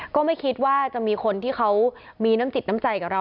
ก็ไม่คิดว่าจะมีคนที่เขามีน้ำจิตน้ำใจกับเรา